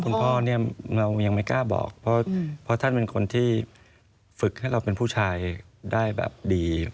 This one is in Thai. คุณพ่อเนี่ยเรายังไม่กล้าบอกเพราะท่านเป็นคนที่ฝึกให้เราเป็นผู้ชายได้แบบดี